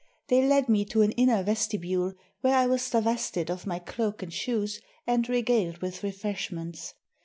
They led me to an inner vestibule, where I was divested of my cloak and shoes and regaled with refreshments.